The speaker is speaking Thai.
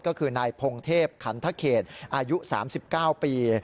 ก็คือนายพงเทพขันทเขตอายุ๓๙ปี